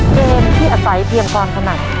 เกมที่อาศัยเพียงความถนัด